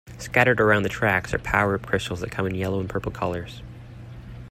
Scattered around the tracks are power-up crystals that come in yellow and purple colors.